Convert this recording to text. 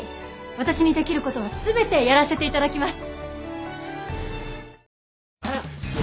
私にできる事は全てやらせて頂きます。